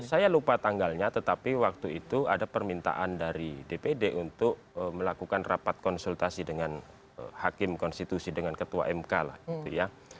saya lupa tanggalnya tetapi waktu itu ada permintaan dari dpd untuk melakukan rapat konsultasi dengan hakim konstitusi dengan ketua mk lah gitu ya